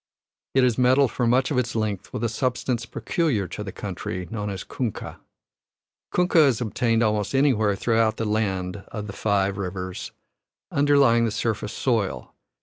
It is metalled for much of its length with a substance peculiar to the country, known as kunkah. Kunkah is obtained almost anywhere throughout the Land of the Five Rivers, underlying the surface soil.